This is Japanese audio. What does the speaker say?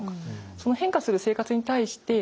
その変化する生活に対して例えば